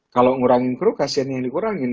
kalau ngurangin crew kasiannya yang dikurangin